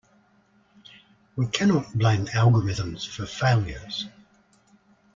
We cannot blame algorithms for failures.